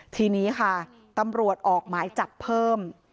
ทีนี้ค่ะตำรวจออกหมายจับเพิ่ม